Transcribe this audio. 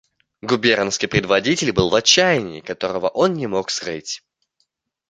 Губернский предводитель был в отчаянии, которого он не мог скрыть.